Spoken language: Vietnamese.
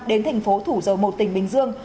đến thành phố thủ dầu một tỉnh bình dương